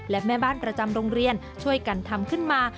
และแม่บ้านประจำโรงเรียนช่วยกันทำขึ้นมา